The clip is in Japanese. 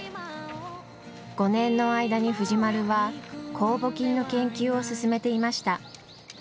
５年の間に藤丸は酵母菌の研究を進めていました。